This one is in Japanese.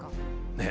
ねえ。